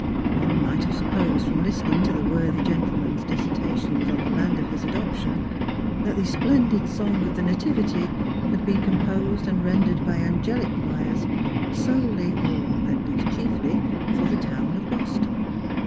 One might have supposed from listening to the worthy gentleman's dissertations on the land of his adoption that the splendid song of the Nativity had been composed and rendered by angelic choirs solely or at least chiefly for the town of Boston.